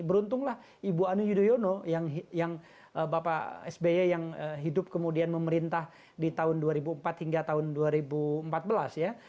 beruntunglah ibu ani yudhoyono yang bapak sby yang hidup kemudian memerintah di tahun dua ribu empat hingga tahun dua ribu empat belas ya